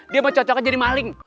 dia mau cocok aja jadi maling